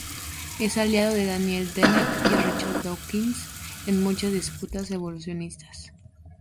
Es aliado de Daniel Dennett y Richard Dawkins en muchas disputas evolucionistas.